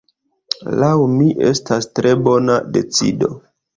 Laŭ mi estas tre bona decido.